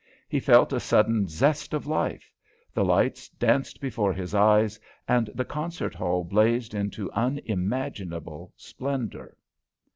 He felt a sudden zest of life; the lights danced before his eyes and the concert hall blazed into unimaginable splendour.